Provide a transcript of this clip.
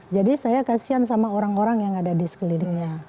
saya kasihan sama orang orang yang ada di sekelilingnya